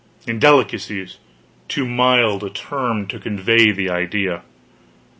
Indelicacy is too mild a term to convey the idea.